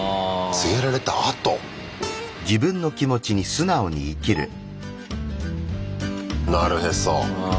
告げられた後？なるへそ。